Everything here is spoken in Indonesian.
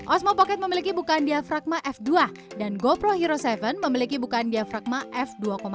osmo pocket memiliki bukaan diafragma f dua dan gopro hero tujuh memiliki bukaan diafragma f dua